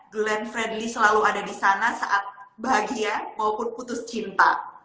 glenn fredly selalu ada di sana saat bahagia maupun putus cinta